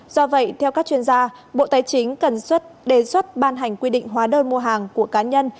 do vậy theo các chuyên gia bộ tài chính cần đề xuất ban hành quy định hóa đơn mua hàng của cá nhân